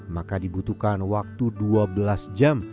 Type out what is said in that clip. maka dibutuhkan waktu dua belas jam